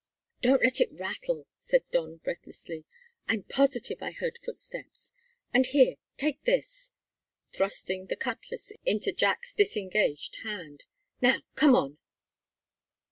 "Don't let it rattle," said Don breathlessly, "I'm positive I heard footsteps. And here, take this," thrusting the cutlass into Jack's disengaged hand. "Now, come on!"